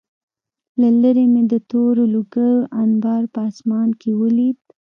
له لېرې مې د تورو لوګیو انبار په آسمان کې ولید